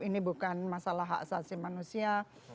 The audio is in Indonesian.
ini bukan masalah hak asasi manusia